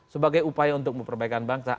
sebagai upaya untuk memperbaiki bangsa